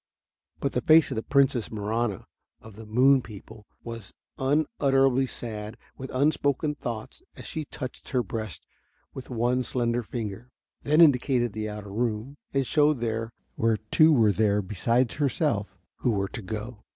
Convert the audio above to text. But the face of the Princess Marahna of the moon people was unutterably sad with unspoken thoughts as she touched her breast with one slender finger, then indicated the outer room and showed there were two there beside herself who were to go.